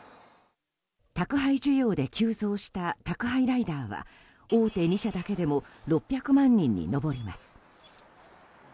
宅配需要で急増した宅配ライダーは大手２社だけでも６００万人に上ります。